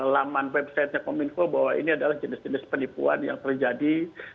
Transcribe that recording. laman websitenya kominfo bahwa ini adalah jenis jenis penipuan yang terjadi